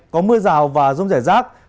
có mưa rào và rông rẻ rác